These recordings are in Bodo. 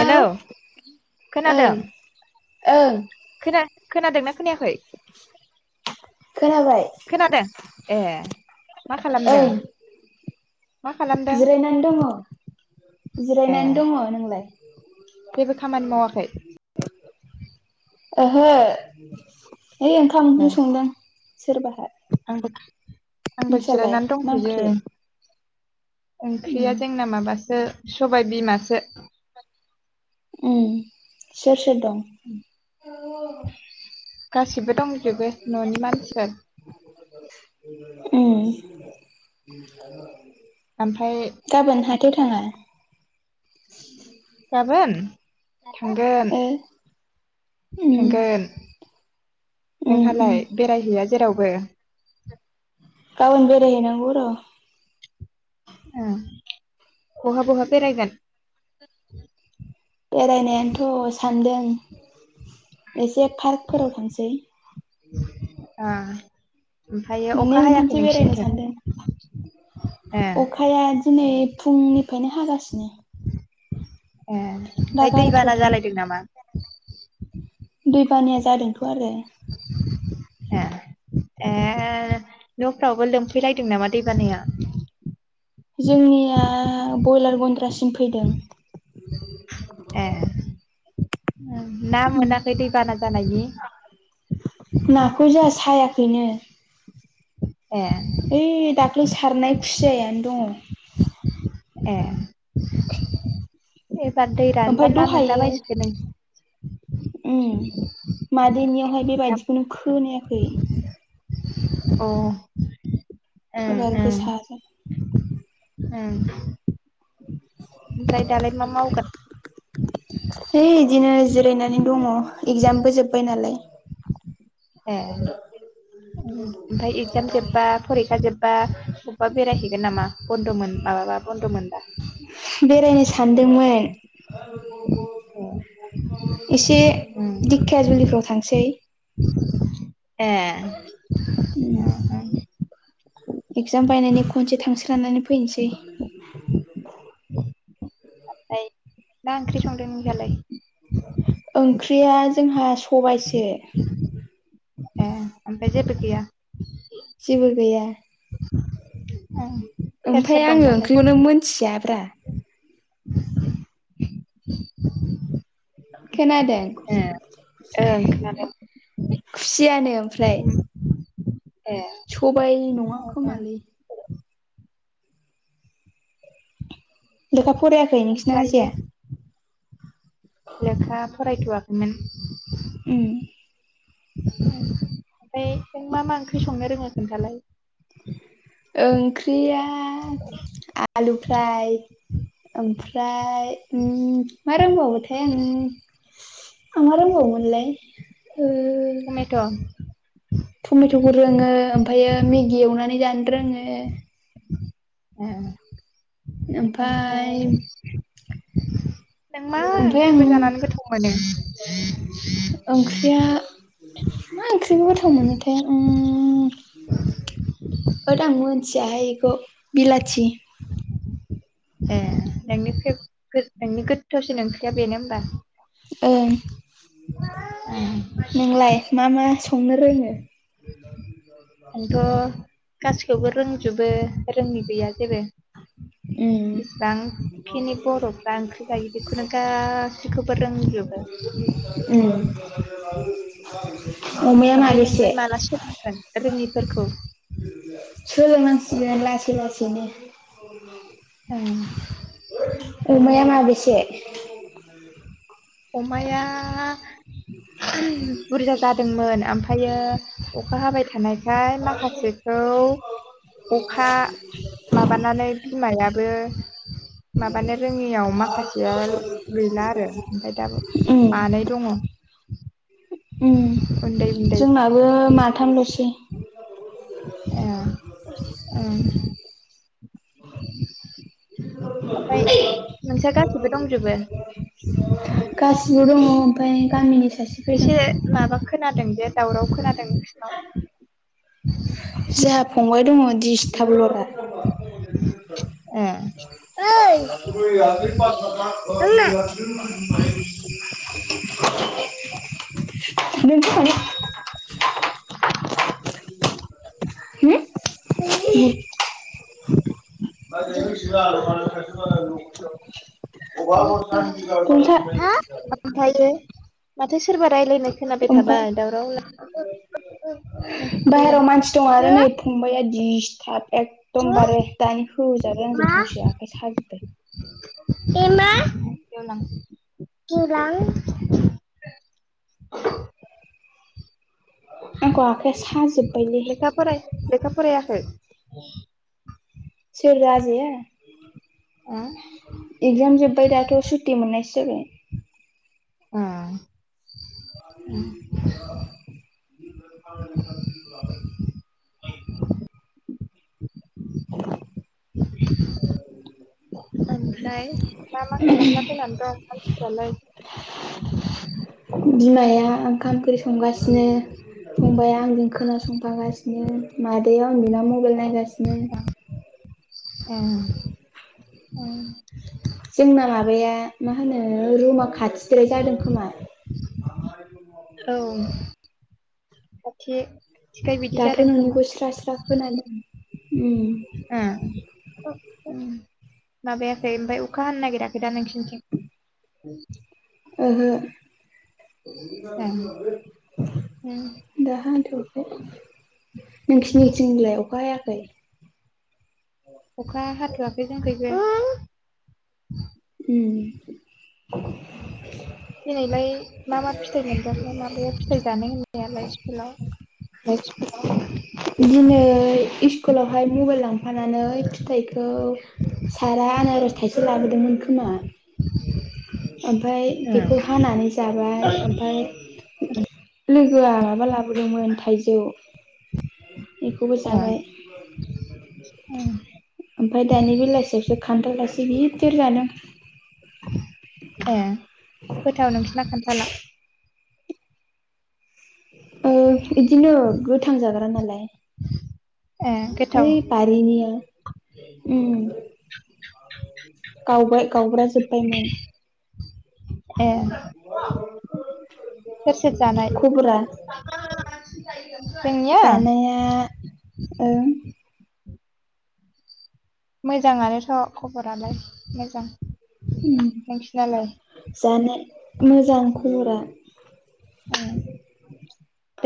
हेलौ खोनादों ओं ओं खोना खोनादोंना खोनायाखै। खोनाबाय खोनादों ए मा खालामदों? ओं मा खालामदों जिरायनानै दङ ए जिरायनानै दङ नोंलाय? जेबो खामानि मावाखै? ओहो है ओंखाम ओंख्रि संदों सोरबाहाय। आं बो आंबो जिरायनानै मा दंथ'यो। ओंख्रि उम ओंख्रिया जोंना माबासो सबाय बिमासो। ओम सोर सोर दं गासिबो दंजोबो न'नि मानसिफोर। ओम। ओमफाय दो थाङा गाबोन थांगोन। ओ उम थांगोन उम उम नोंहालाय बेरायहैया? जेरावबो गाबोन बेरायहै नांगौ र ओं बहा बहा बेरायगोन? बेरायनायानोथ' सानदों एसे फार्कफोराव थांसै। ओ ओमफ्रायो मोननै अखा हायाखै मोनथामसो बेरायनो नोंसिनिथिं ए सानदों अखाया दिनै फुंनिफायनो हागासिनो। ए दा ओमफाय दैबाना गारथ'दों जालायदों नामा? दैबानाया जादोंथ' आरो। ए ए। ए न'फ्रावबो लोमफैलायदों नामा दैबानाया। जोंनिया बयलार गन्द्रासिम फैदों। ए। ना मोनाखै दैबाना जानायनि? खायाखैनो ए। ओइ दाख्लै सारनाय खुसियायानो दङ। ए। दा दै रानबा ना मोनला बसिगोन नो ओम मादैनियावहाय बेबायदिखौनो खोनायाखै। अ। ओं एबार ओं गोसाजों। [unintelligible] ओमफ्राय दालाय मा मावगोन ए इदिनो जो [unintelligible] दङ एगजामबो जोबबाय नालाय। ए। अ ओमफाय एक्जाम जोब्बा फरिखा जोबबा अबबा बेरायहैगोन नामा बन्द'मोन माबाबा बन्द'मोन बा। बेरायनो सानदोंमोन। ए ओं ए इसे उम उम दिकखिया जुलिफोराव थांसै। ए। उम एगजाम बायनानै खनसे थांस्रानानै फैसै। मा ओंख्रि संदों इहालाय। ओंख्रिया जोंहा सबायसो। ए ओफाय जेबोे गैया जेबो गैया ओं सोर सोर ओमफाय दं आङो दालाय ओंख्रिखौनो मोनथियाब्रा [unintelligible] [inaudible] खोनादों ए ओं खोनादों खुसियानो ओमफ्राय उम, ए सबाय नङा ओमफ्राय खोमालै लेखा फरायाखै नोंजिना ओमफ्रायो आजाया लेखा फरायथ'वाखैमोन उम ओमफाय नों मा-मा ओंख्रि संनो रोङो खोन्थालाय ओंख्रिया आलु फ्राय ओमफ्राय उम मा रोंबावोथाय आं आं मा रोंबावोमोनलाय ओ टमेट' टमेट'खौ रोङो ओमफायो मेगि एवनानै जानो रोङो ए ओमफाय ओमफ्राय नों मा ओमफ्राय ओंख्रिखौ जानानै आं गोथाव मोनो ओंख्रिया मा ओंख्रिखो गोथाव मोनोथाय उम्म होद आं मिथियाहाय इखौ बिलाथि ए नोंनि फ्रे नोंनि गोथावसिन ओंख्रिया बेनो होनबा ओं ए, नोंलाय मा-मा संनो रोङो आंथ' गासिखौबो रोंजोबो रोङि गैया जेबो उम बेसिबांखिनि बर'फ्रा ओंख्रि जायो बेखौनो गाससिखौबो रोंजोबो उम अमाया ओमफाय माबेसे नोंलाय माला सोलोंगोन रोङिफोरखौ सोलों नांसिगोन लासै- लासैनो ओं ओं। अमाया माबेसे अमाया ओहोम बुरजा जादोंमोन आमफाय ओमफायो अखा हाबाय थानाय फाय माखासेखौ अखा माबानानै बिमाया बो माबानो रोङियाव माखासेया गैला आरो ओमफाय दाबो उम मानै दङ उम उन्दै उन्दै जोंनाबो माथामल'सै ए उम ओमफाय नोंसा गाससिबो दंजोबो गासिबो दङ ओमफाय गामिनि सासे फैदों एसे माबा खोनादों जे दावराव खोनादों नोंसिनाव जोंहा फंबाय दङ दिडसटाबलरा ए ओइ आंना [unintelligible] [inaudible] [inaudible] [unintelligible] [unintelligible] [inaudible] [unintelligible] [inaudible] [unintelligible] [inaudible] [unintelligible] [inaudible] ओइ जौ [unintelligible] लोंना। ओमफ्रायो [inaudible] माथो सोरबा रायज्लायनाय खोनाबाय थाबाय दावराव लाय बाहेराव मानसि दं आरो नै फंबाइआ दिस्थाब। एखदमबारे दानि होजाबाय आंजों फंसे आखाइ साजोबबाय। एमा। गियान रां। आंखौ आखाइया साजोब्बायलै लेखा फराय लेखा फरायाखै? औ। राजाजाया ओ? एगजाम जोब्बाय दाथ' सुटि मोननायसो जाबाय। अ उम। [unintelligible] [inaudible] ओमफ्राय मा मा खालामना फैनानै दं मानसिफ्रालाय। बिमाया ओंखाम ओंख्रि संगासिनो। फंबाया आंजों खोनासंफागासिनो मादैया उन्दुना मबाइल नायगासि ए ओं। जोंना माबाया। मा होनो रुमा खाथिदलाय जादों खोमा। औ अके। दाथ' नोंनिखौ स्रा स्रा खोनादों उम। उम माबायाखै ओमफ्राय अखा हानो नागिर नागिरा नोंसिनिथिं? ओहो ओ, उम। दाहोन नोंखिनिथिंलाय अखा हायाखै? अखा हाथ'वाखै जोंखैजाय। उम। दिनैलाय मा मा फिथाइ मोनजाखोन माबाया फिथायाइ जानो होननायालाय स्कुलाव? बिदिनो। स्कुलावहाय मबाइल लांफानानै फिथाइखौ सारा आनारस थाइसे लाबोदोंमोन। ओमफ्राय ओ, बेखौ हानानै जाबाय ओमफाय। लोगोआ माबा लाबोदोंमोन थाइजौ। बेखौबो ओ, जाबाय। उम, ओमफफ्राय दानि बेलासियावसो खान्थावलासे गिदिर जादों। ए गोथाव नोंसोरना खान्थाला? ओ इदिनो गोथां जाग्रा नालाय। ए गोथाव ओइ बारिनि आ। उम गावबाय गावग्रा जोबबायमोन। ए सोर सोर जानाय खबरा? जोंनिया जानाया ओ। मोजाङानोथ' खबरालाय मोजां। उम नोंसिनालाय जानाय मोजां खबरा।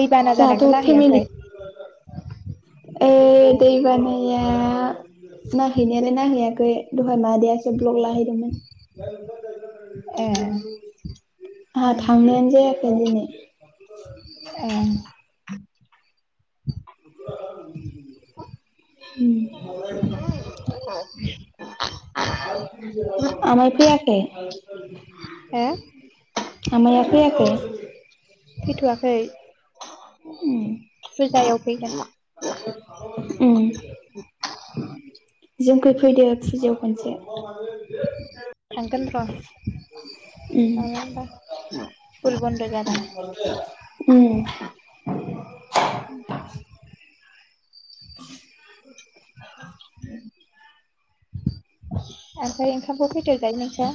दैबाना जानायखौ जोंहाथ' नायहैयाखै? ओ दै बानाया नायहैनायालाय नायहै नाहैयाखै दहाय मादैयासो ब्लग ला हैदों मोन ए ए आंहा थांनाया जायाखै। [unintelligible] ए। उम। [unintelligible] आमाय फैयाखै? हा। आमाइ आ फैयाखै? फैथ'वाखै उम फुजायाव फैगोन। ओम जोंखै फैदो फुजायाव खनसे। थांगोन र' उम नङा बा स्कुल बन्द' जाबा। उम ओमफ्राय ओंखामखौ खैथायाव जायो नोंस्रा?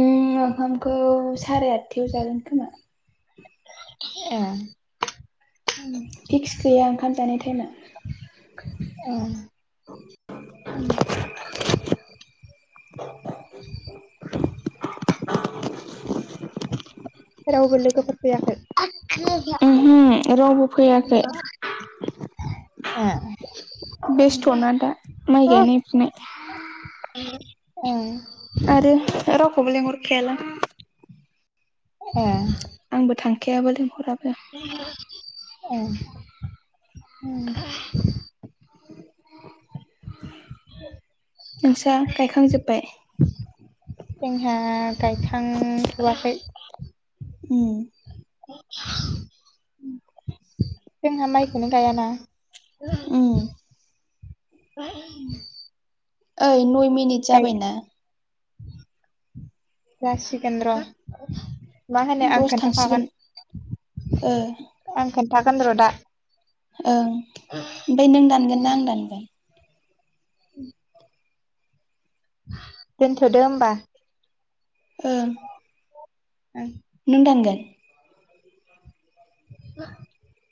ओम ओंखामखौ साराय आठथायाव जागोन खोमा। ए फिक्स गैया ओंखाम जानाय टाइमा। उम। [inaudible] रावबो लोगोफोर फैयाखै? ए ओमहो रावबो फैयाखै। ए बेस्थ'ना दा? माइ गायनाय फुनाय। उम। आरो रावखौबो लेंहर खायालां। ए ग [unintelligible] औ। [unintelligible] नोंसा गायखांजोब्बाय? [unintelligible] जोंहा गायखांथ'आखै। उ। जोंहा माइखौनो गायाना। उम। ओइ नय मिनिट जाबायना? जासिगोन र'। मा होनो आं दस थांसिगोन खोन्थाखागोन ओ आं खोन्थागोन र'दा। ओं ओमफ्राय नों दानगोन ना आं दानगोन? उ [unintelligible] दोनथ'दो होमबा? ओं। [unintelligible] नों दानगोन? [unintelligible]